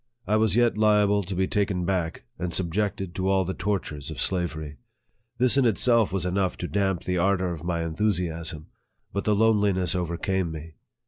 I was yet liable to be taken back, and subjected to all the tortures of slavery. This in itself was enough to damp the ardor of my enthu siasm. But the loneliness overcame me.